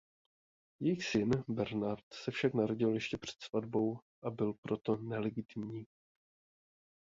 Jejich syn Bernard se však narodil ještě před svatbou a byl proto nelegitimní.